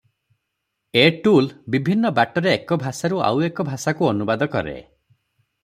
ଏ tool ବିଭିନ୍ନ ବାଟରେ ଏକ ଭାଷାରୁ ଆଉ ଏକ ଭାଷାକୁ ଅନୁବାଦ କରେ ।